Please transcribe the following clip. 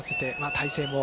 体勢も。